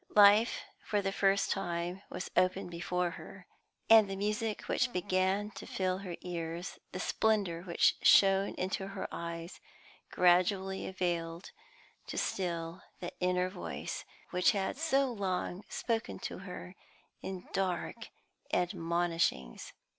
Life for the first time was open before her, and the music which began to fill her ears, the splendour which shone into her eyes, gradually availed to still that inner voice which had so long spoken to her in dark admonishings.